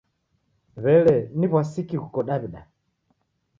W'ele, ni w'asi ki ghuko Daw'ida?